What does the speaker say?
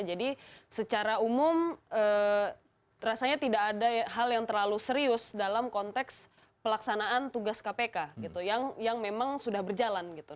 jadi secara umum rasanya tidak ada hal yang terlalu serius dalam konteks pelaksanaan tugas kpk gitu yang memang sudah berjalan gitu